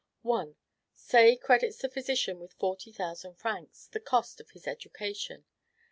1. Say CREDITS the physician with forty thousand francs, the cost of his education.